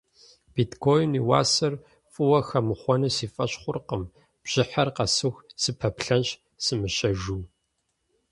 Биткоиным и уасэр фӏыуэ хэмыхъуэну си фӏэщ хъуркъым, бжьыхьэр къэсыху сыпэплъэнщ сымыщэжыу.